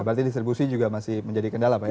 berarti distribusi juga masih menjadi kendala pak ya